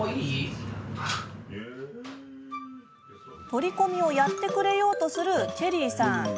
取り込みをやってくれようとするチェリーさん。